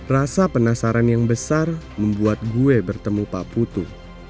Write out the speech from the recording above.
rasa penasaran yang besar membuat gue bertemu pak putu